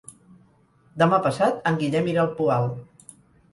Demà passat en Guillem irà al Poal.